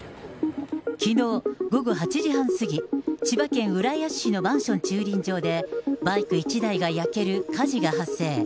きのう午後８時半過ぎ、千葉県浦安市のマンション駐輪場で、バイク１台が焼ける火事が発生。